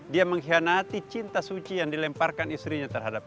dia mengkhianati cinta suci yang dilemparkan istrinya terhadap